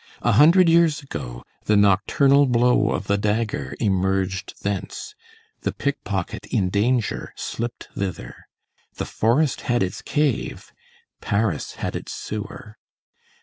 A hundred years ago, the nocturnal blow of the dagger emerged thence, the pickpocket in danger slipped thither; the forest had its cave, Paris had its sewer.